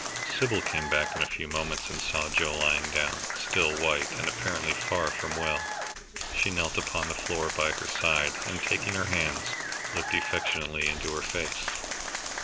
Sybil came back in a few moments, and saw Joe lying down, still white and apparently far from well. She knelt upon the floor by her side and taking her hands, looked affectionately into her face.